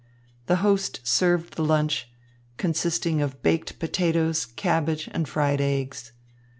The host served the lunch, consisting of baked potatoes, cabbage and fried eggs.